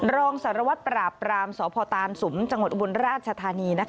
รองสารวัตรปราบปรามสพตานสุมจังหวัดอุบลราชธานี